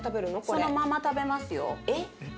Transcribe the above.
そのまま食べますよ。